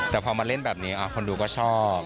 แต่พอมาเล่นแบบนี้คนดูก็ชอบ